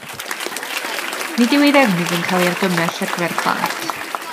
Nid yw ei ddefnydd yn cael ei argymell ar gyfer plant.